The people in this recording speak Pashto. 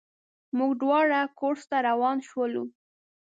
موږ دواړه کورس ته روان شولو.